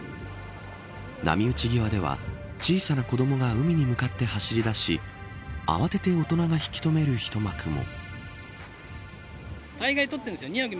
波打ち際では小さな子どもが海に向かって走りだし慌てて大人が引き止める一幕も。